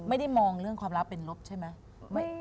ไม่ได้มองเรื่องความรักเป็นลบใช่ไหม